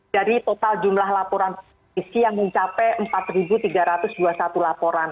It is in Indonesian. dari total jumlah laporan polisi yang mencapai empat tiga ratus dua puluh satu laporan